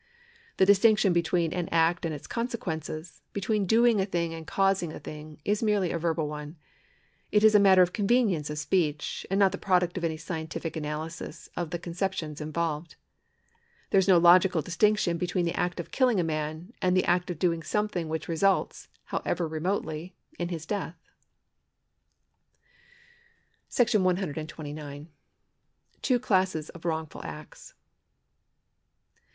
The distinction between an act and its consequences, between doing a thing and causing a thing, is a merely verbal one ; it is a matter of convenience of speech, and not the product of any scientific analysis of the conceptions involved. There is no logical distinction between the act of killing a man and the act of doing some tliing which results (however remotely) in his death. ^§ 129. Two Classes of Wrongful Acts.